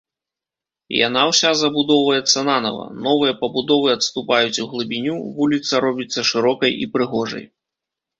Яна ўся забудоўваецца нанава, новыя пабудовы адступаюць углыбіню, вуліца робіцца шырокай і прыгожай.